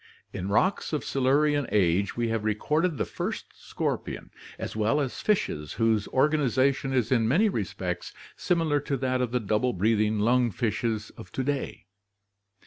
In rocks of Silurian age we have recorded the first scorpion as well as fishes whose organization is in many respects similar to that of the double breathing lung fishes of to day.